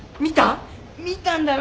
見たんだろ？